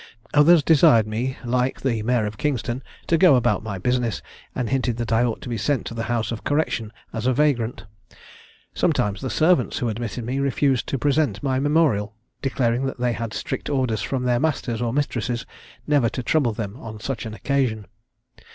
Others desired me like the Mayor of Kingston to go about my business, and hinted that I ought to be sent to the house of correction as a vagrant. Sometimes the servants who admitted me refused to present my memorial, declaring that they had strict orders from their masters or mistresses never to trouble them on such an occasion.